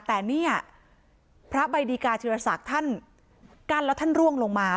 แต่เนี่ยพระใบดีกาธิรศักดิ์ท่านกั้นแล้วท่านร่วงลงมา